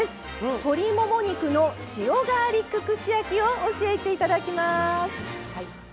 鶏もも肉の塩ガーリック串焼きを教えていただきます。